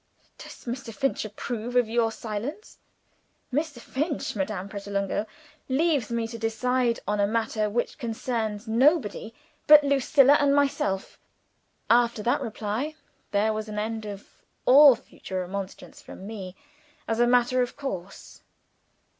"Does Mr. Finch approve of your silence?" "Mr. Finch, Madame Pratolungo, leaves me to decide on a matter which concerns nobody but Lucilla and myself." After that reply, there was an end of all further remonstrance from me, as a matter of course.